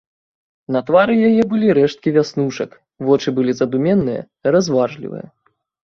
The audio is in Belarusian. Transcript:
На твары яе былі рэшткі вяснушак, вочы былі задуменныя, разважлівыя.